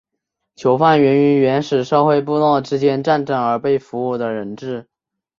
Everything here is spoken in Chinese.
囚犯源于原始社会部落之间战争而被俘虏的人质。